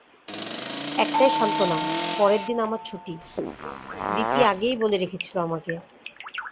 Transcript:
একটাই সান্ত্বনা পরের দিন আমার ছুটি, রিপি আগেই বলে রেখেছিল আমাকে।